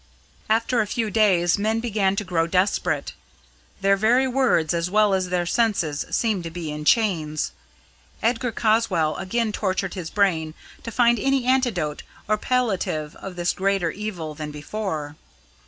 After a few days, men began to grow desperate; their very words as well as their senses seemed to be in chains. Edgar Caswall again tortured his brain to find any antidote or palliative of this greater evil than before.